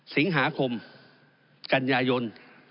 สิงหาคมกันยายน